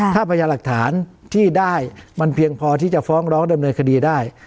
ถ้าพยายามหลักฐานที่ได้มันเพียงพอที่จะฟ้องร้องดำเนินคดีได้